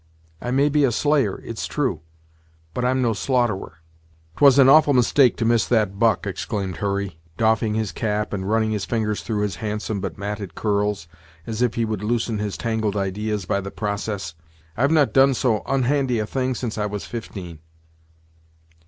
I may be a slayer, it's true, but I'm no slaughterer." "'Twas an awful mistake to miss that buck!" exclaimed Hurry, doffing his cap and running his fingers through his handsome but matted curls, as if he would loosen his tangled ideas by the process. "I've not done so onhandy a thing since I was fifteen."